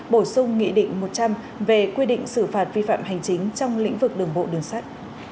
bổ sung nghị định một trăm linh về quy định xử phạt vi phạm hành chính trong lĩnh vực đường bộ đường sắt